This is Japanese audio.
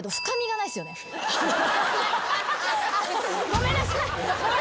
ごめんなさい。